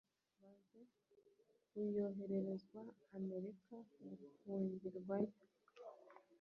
maze yohererezwa Amerika gufungirwayo